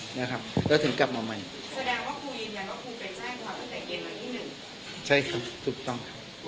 ครูครับในคลิปเสียงภาพครูยินยัง